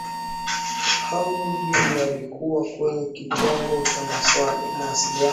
harold bibi alikuwa kwenye kitengo cha mawasiliano